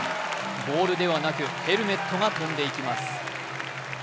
ボールではなくヘルメットが飛んでいきます。